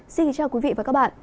xin chào quý vị và các bạn